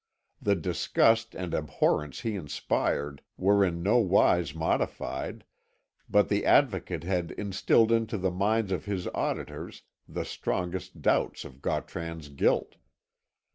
The disgust and abhorrence he inspired were in no wise modified, but the Advocate had instilled into the minds of his auditors the strongest doubts of Gautran's guilt.